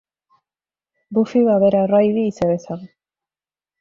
Buffy va a ver a Riley y se besan.